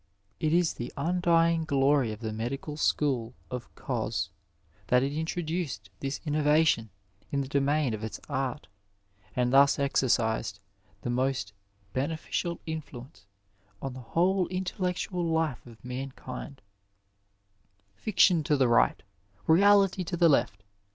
It is the undying glory of the medical school of Cos that it introduced this innovation in the domain of its art, and thus exercised the mo t beneficial influence on the whole intellectual life of mankind " Fiction to the right t Reality to the left